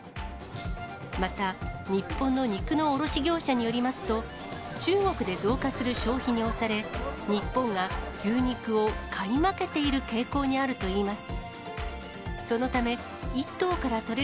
また、日本の肉の卸業者によりますと、中国で増加する消費に押され、日本が牛肉を買い負けている傾向にあるといいます。